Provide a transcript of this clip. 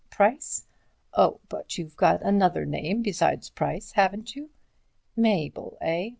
Price? Oh, but you've got another name besides Price, haven't you? Mabel, eh?